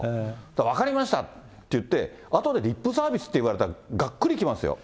分かりましたって言って、あとでリップサービスって言われたらがっくり来ますよ。